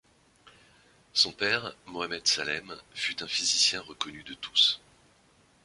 Son père, Moamed Salem, fut un physicien reconnu de tous.